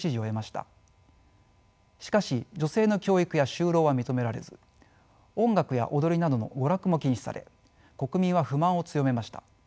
しかし女性の教育や就労は認められず音楽や踊りなどの娯楽も禁止され国民は不満を強めました。